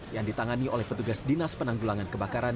yang ditangani oleh petugas dinas penanggulangan kebakaran